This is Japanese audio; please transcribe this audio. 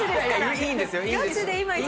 いいんですけど。